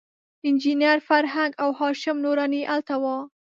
انجینر فرهنګ او هاشم نوراني هلته وو.